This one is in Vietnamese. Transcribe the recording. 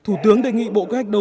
thủ tướng đề nghị bộ khách đâu